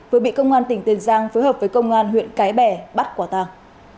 vừa bị công an tỉnh tiền giang phối hợp với công an huyện cái bè bắt quả tàng